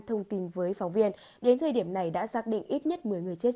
thông tin với phóng viên đến thời điểm này đã xác định ít nhất một mươi người chết